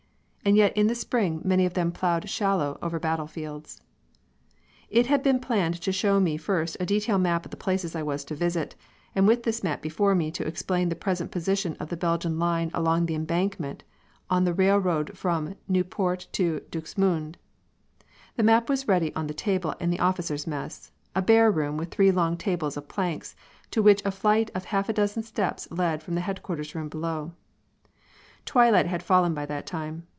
And yet in the spring many of them ploughed shallow over battlefields. It had been planned to show me first a detail map of the places I was to visit, and with this map before me to explain the present position of the Belgian line along the embankment of the railroad from Nieuport to Dixmude. The map was ready on a table in the officers' mess, a bare room with three long tables of planks, to which a flight of half a dozen steps led from the headquarters room below. Twilight had fallen by that time.